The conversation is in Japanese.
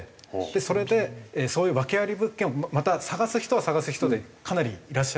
それでそういう訳あり物件をまた探す人は探す人でかなりいらっしゃるので。